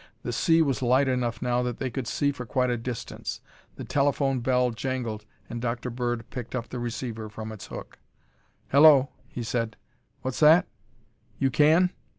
The sea was light enough now that they could see for quite a distance. The telephone bell jangled and Dr. Bird picked the receiver from its hook. "Hello," he said. "What's that? You can?